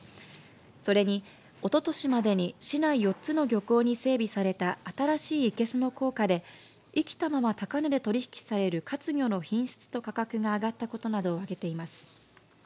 それに、おととしまでに市内４つの漁港に整備された新しい生けすの効果で生きたまま高値で取引される活魚の品質と価格が上がったことなどを挙げています。